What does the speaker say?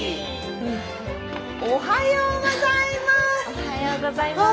おはようございます！